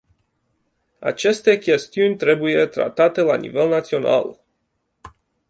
Aceste chestiuni trebuie tratate la nivel național.